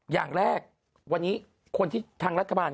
อย่างแรกวันนี้คนที่ทางรัฐบาล